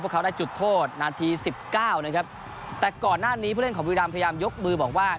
เขาได้จุดโทษนาทีสิบเก้านะครับแต่ก่อนหน้านี้ผู้เล่นของบุรีรามพยายามยกมือบอกว่า